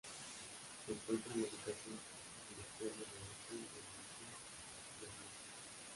Se encuentra en la ubicación en el extremo noreste de la Isla Bermejo.